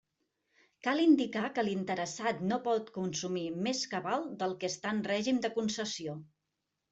Cal indicar que l'interessat no pot consumir més cabal del que està en règim de concessió.